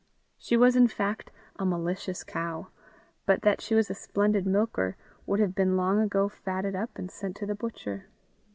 She was in fact a malicious cow, and but that she was a splendid milker, would have been long ago fatted up and sent to the butcher.